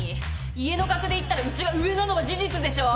家の格でいったらうちが上なのは事実でしょ。